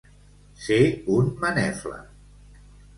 Ser un manefla.